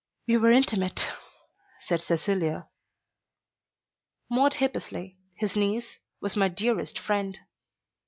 "We were intimate," said Cecilia. "Maude Hippesley, his niece, was my dearest friend."